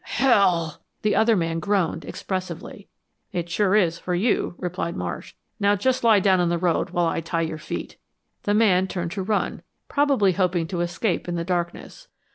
"Hell!" the other man groaned, expressively. "It sure is for you," replied Marsh. "Now, just lie down in the road while I tie your feet." The man turned to run, probably hoping to escape in the darkness.